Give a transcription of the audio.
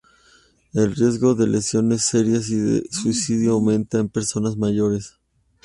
El riesgo de lesiones serias y de suicidio aumenta en personas mayores.